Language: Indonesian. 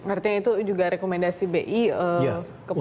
artinya itu juga rekomendasi bi kepada